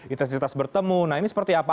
intensitas bertemu nah ini seperti apa